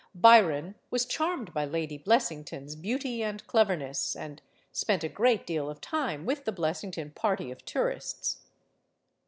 Byron was charmed by Lady Blessington's beauty and cleverness, and spent a great deal of time with the Blessington party of tourists.